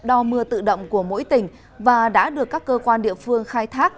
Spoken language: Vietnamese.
đo mưa tự động của mỗi tỉnh và đã được các cơ quan địa phương khai thác